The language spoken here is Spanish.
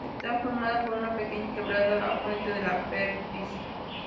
Está formada por una pequeña quebrada afluente de La Perdiz.